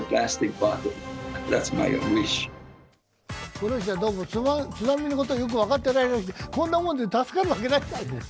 この人はどうも津波のことをよく分かってないらしい、こんなもんで助かるわけない。